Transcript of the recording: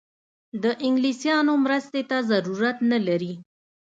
د انګلیسیانو مرستې ته ضرورت نه لري.